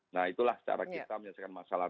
nah itulah cara kita menyelesaikan masalah